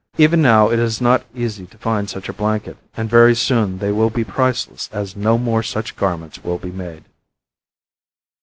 Even now it is not easy to find such a blanket, and very soon they will be priceless as no more such garments will be made.